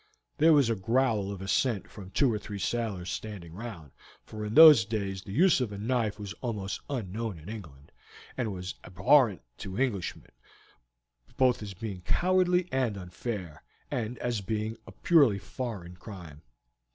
There was a growl of assent from two or three sailors standing round, for in those days the use of the knife was almost unknown in England, and was abhorrent to Englishmen, both as being cowardly and unfair, and as being a purely foreign crime.